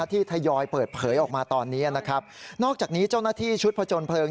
ทยอยเปิดเผยออกมาตอนนี้นะครับนอกจากนี้เจ้าหน้าที่ชุดผจญเพลิง